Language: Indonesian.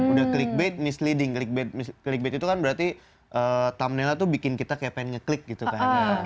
udah clickbait misleading clickbait itu kan berarti thumbnail nya tuh bikin kita kayak pengen ngeklik gitu kan